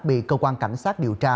bị cơ quan cảnh sát điều tra